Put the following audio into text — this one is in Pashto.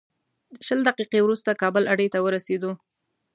شل دقیقې وروسته کابل اډې ته ورسېدو.